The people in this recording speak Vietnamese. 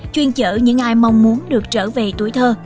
chuyên chở những ai mong muốn được trở về tuổi thơ